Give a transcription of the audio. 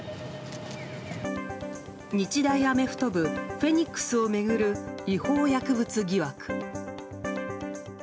日大アメフト部フェニックスを巡る違法薬物疑惑。